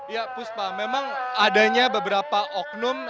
ya puspa memang adanya beberapa oknum